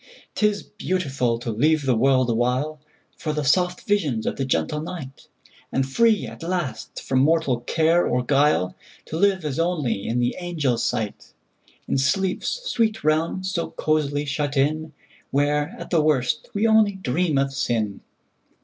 'T is beautiful to leave the world awhileFor the soft visions of the gentle night; And free, at last, from mortal care or guile, To live as only in the angels' sight, In sleep's sweet realm so cosily shut in, Where, at the worst, we only dream of sin!